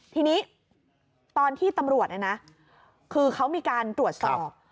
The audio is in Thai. ที่นี้ตอนที่ตลอดออกเนอะคือเขามีการตรวชสอบ